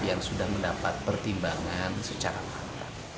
yang sudah mendapat pertimbangan secara matang